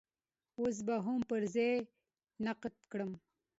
اوس به يې هم پر ځای نقد کړم.